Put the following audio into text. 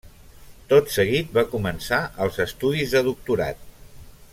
Tot seguit va començar els estudis de doctorat.